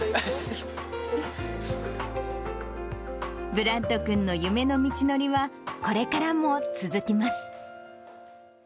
ブラッド君の夢の道のりは、これからも続きます。